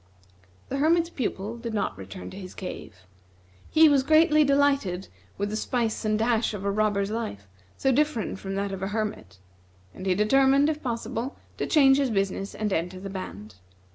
The Hermit's Pupil did not return to his cave. He was greatly delighted with the spice and dash of a robber's life, so different from that of a hermit; and he determined, if possible, to change his business and enter the band.